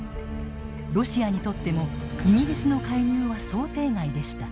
ロシアにとってもイギリスの介入は想定外でした。